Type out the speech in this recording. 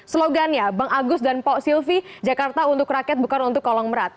slogannya bang agus dan pak silvi jakarta untuk rakyat bukan untuk kolong merat